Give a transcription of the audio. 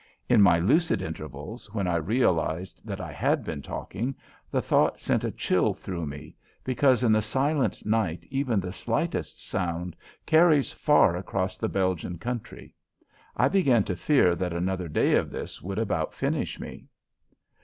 In my lucid intervals, when I realized that I had been talking, the thought sent a chill through me, because in the silent night even the slightest sound carries far across the Belgian country. I began to fear that another day of this would about finish me.